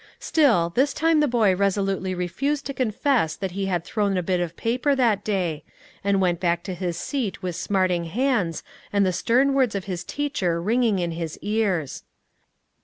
Still, this time the boy resolutely refused to confess that he had thrown a bit of paper that day, and went back to his seat with smarting hands and the stern words of his teacher ringing in his ears.